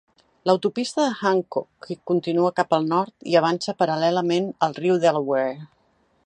L'autopista de Hancock continua cap al nord i avança paral·lelament al riu Delaware.